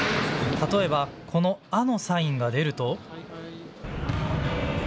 例えばこの、アのサインが出ると。